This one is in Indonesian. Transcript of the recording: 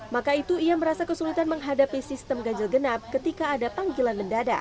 maka itu ia merasa kesulitan menghadapi sistem ganjil genap ketika ada panggilan mendadak